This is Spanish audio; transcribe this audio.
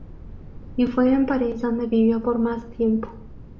Y fue en París donde vivió por más tiempo.